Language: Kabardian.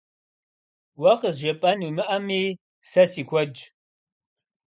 Уэ къызжепӀэн уимыӀэми, сэ си куэдщ.